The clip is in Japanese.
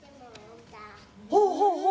ほうほうほう！